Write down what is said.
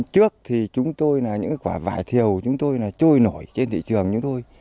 trước thì chúng tôi là những quả vải thiều chúng tôi là trôi nổi trên thị trường như thôi